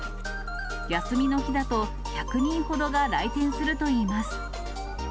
休みの日だと１００人ほどが来店するといいます。